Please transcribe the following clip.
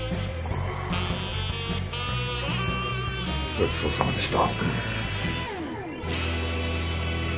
ごちそうさまでした。